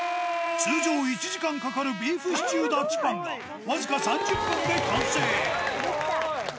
通常、１時間かかるビーフシチューダッチパンが、僅か３０分で完成。